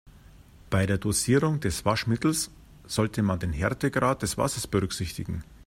Bei der Dosierung des Waschmittels sollte man den Härtegrad des Wassers berücksichtigen.